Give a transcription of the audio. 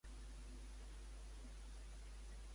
Què està encapçalant el govern espanyol, segons Puig?